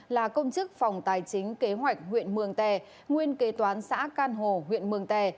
là công chức phòng tài chính kế hoạch huyện mường tè nguyên kế toán xã can hồ huyện mường tè